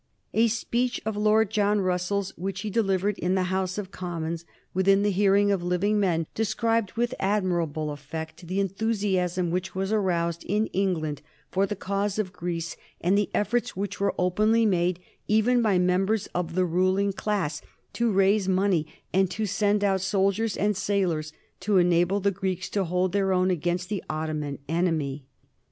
A speech of Lord John Russell's which he delivered in the House of Commons within the hearing of living men described with admirable effect the enthusiasm which was aroused in England for the cause of Greece and the efforts which were openly made even by members of the ruling class to raise money and to send out soldiers and sailors to enable the Greeks to hold their own against the Ottoman enemy.